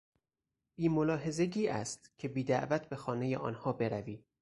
بیملاحظگی است که بیدعوت به خانهی آنها بروی.